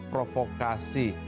untuk tidak membuat provokasi